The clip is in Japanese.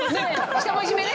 １文字目ね